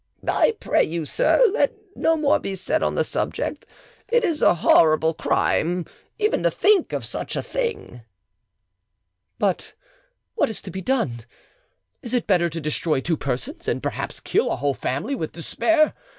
"I pray you, sir, let no more be said on the subject; it is a horrible crime even to think of such a thing." "But what is to be done? Is it better to destroy two persons and perhaps kill a whole family with despair?